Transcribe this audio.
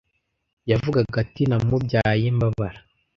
yavugaga ati namubyaye mbabara